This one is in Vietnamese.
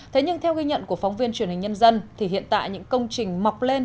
thế nhưng theo ghi nhận của phóng viên truyền hình nhân dân thì hiện tại những công trình mọc lên